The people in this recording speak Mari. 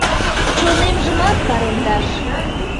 Чонемжымат паремдаш